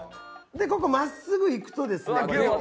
でここ真っすぐ行くとですね